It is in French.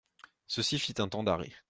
Ceci fit un temps d'arrêt.